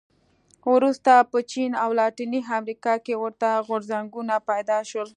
وروسته په چین او لاتینې امریکا کې ورته غورځنګونه پیدا شول.